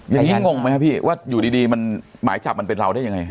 อย่างนี้งงไหมครับพี่ว่าอยู่ดีหมายจับมันเป็นเราได้ยังไง